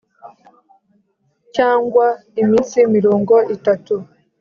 cyangwa iminsi mirongo itatu